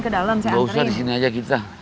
ke dalam saya anterin nggak usah di sini aja kita